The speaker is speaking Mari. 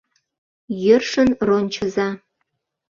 Йӧршын рончыза...